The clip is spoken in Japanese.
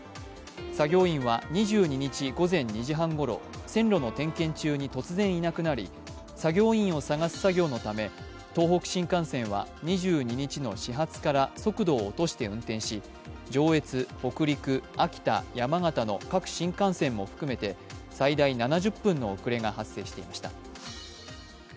作業員は２２日午前２時半ごろ線路の点検中に突然いなくなり、作業員を捜す作業のため東北新幹線は２２日の始発から速度を落として運転し上越、北陸、秋田、山形の各新幹線も含めて最大７０分の遅れが発生していました。